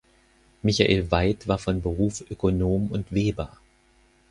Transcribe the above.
Michael Waid war von Beruf Ökonom und Weber.